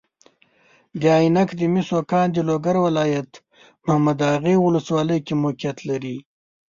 د عینک د مسو کان د لوګر ولایت محمداغې والسوالۍ کې موقیعت لري.